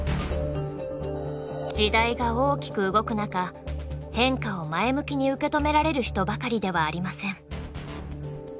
時代が大きく動く中変化を前向きに受け止められる人ばかりではありません。